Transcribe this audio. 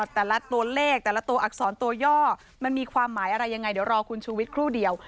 แต่ละตัวเลขแต่ละตัวอักษรตัวย่อมันมีความหมายอะไรยังไงเดี๋ยวรอคุณชูวิทย์ครู่เดียว